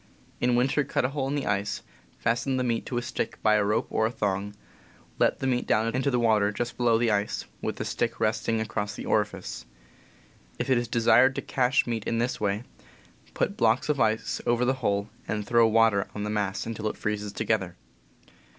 In winter, cut a hole in the ice, fasten the meat to a stick by a rope or thong, let the meat down into the water, just below the ice, with the stick resting across the orifice. If it is desired to cache meat in this way, put blocks of ice over the hole and throw water on the mass until it freezes together.